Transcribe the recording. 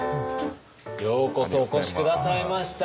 ようこそお越し下さいました。